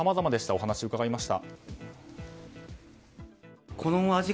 お話を伺いました。